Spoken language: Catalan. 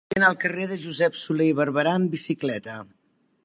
Vull anar al carrer de Josep Solé i Barberà amb bicicleta.